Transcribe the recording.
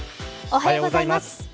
おはようございます。